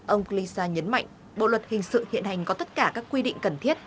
ông chrisa nhấn mạnh bộ luật hình sự hiện hành có tất cả các quy định cần thiết